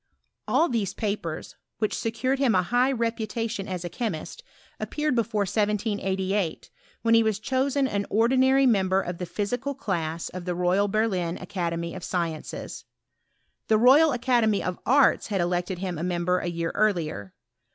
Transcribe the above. Ail these papers, which secured him a hi^ reputation as a chemist, appeared before 1788, when he was chosen an ordinary member of the physical cla?s of the Royal Berlin Academy of Sciences. The Royal Academy of Arts had elected him a member a year earlier.